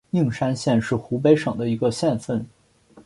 应山县是湖北省的一个县份。